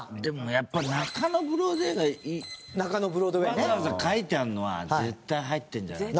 やっぱ中野ブロードウェイがわざわざ書いてあるのは絶対入ってるんじゃないか。